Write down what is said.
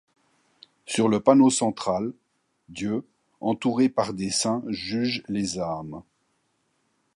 Sur le panneau central, Dieu, entouré par des saints juge les âmes.